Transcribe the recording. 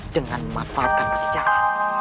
dengan memanfaatkan persisakan